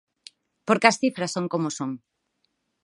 Porque as cifras son como son.